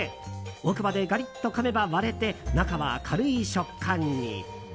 奥歯でガリッとかめば割れて中は軽い食感に。